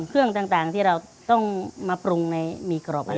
เครื่องต่างที่เราต้องมาปรุงในมีกรอบอะไร